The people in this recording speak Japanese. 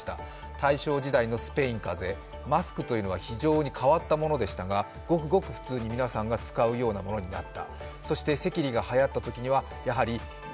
大正時代のスペイン風邪、マスクというものが非常に変わった者でしたがごくごく普通に皆さんが使うようなものがはやった。